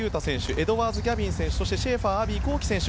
エドワーズ・ギャビン選手そしてシェーファー・アヴィ幸樹選手